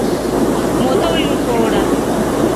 Moto uli in kora.